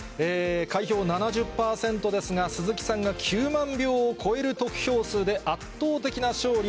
開票７０％ですが、鈴木さんが９万票を超える得票数で、圧倒的な勝利。